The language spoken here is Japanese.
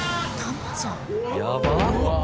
やばっ。